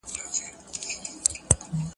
موږ په پښتو ژبي خپل تاريخ ساتو.